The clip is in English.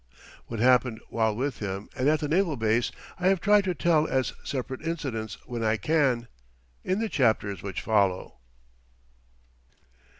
What happened while with him and at the naval base I have tried to tell as separate incidents when I can, in the chapters which follow.